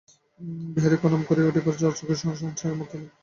বিহারী প্রণাম করিয়া উঠিবার সময় রাজলক্ষ্মী সস্নেহে তাহার মাথায় হস্তস্পর্শ করিলেন।